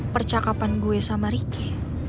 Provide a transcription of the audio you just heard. percakapan gue sama riki